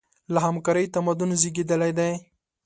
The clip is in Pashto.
له همکارۍ تمدن زېږېدلی دی.